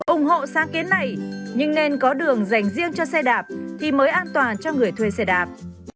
ủng hộ sáng kiến này nhưng nên có đường dành riêng cho xe đạp thì mới an toàn cho người thuê xe đạp